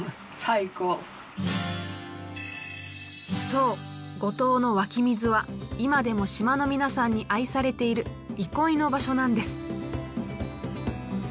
そう五島の湧き水は今でも島の皆さんに愛されている憩いの場所なんです。